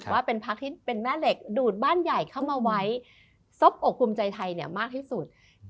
ว่าเป็นพักที่เป็นแม่เหล็กดูดบ้านใหญ่เข้ามาไว้ซบอกภูมิใจไทยมากที่สุด